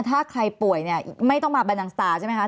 ถ้าใครป่วยเนี่ยไม่ต้องมาบันดังสตาร์ใช่ไหมคะ